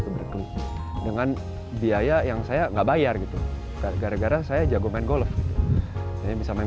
itu berkeliling dengan biaya yang saya nggak bayar gitu gara gara saya jago main golf saya bisa main